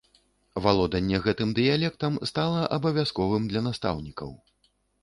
Валоданне гэтым дыялектам стала абавязковым для настаўнікаў.